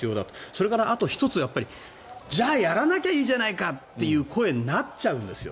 それからあと１つじゃあ、やらなきゃいいじゃないかって声になっちゃうんですよ。